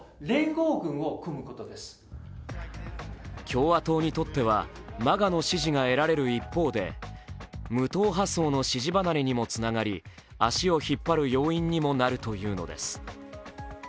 共和党にとっては、ＭＡＧＡの支持が得られる一方で、無党派層の支持離れにもつながり足を引っ張る要因にもなるというのです。